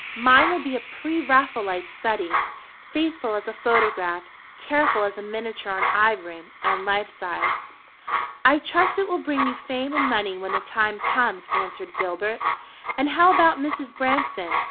Mine will be a pre Raphaelite study faithful as a photograph, careful as a miniature on ivory, and life size." "I trust it will bring you fame and money when the time comes," answered Gilbert. "And how about Mrs. Branston?